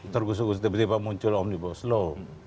tergusuh gusuh tiba tiba muncul omnibus law